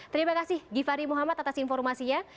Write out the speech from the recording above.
terima kasih givhary muhammad atas informasinya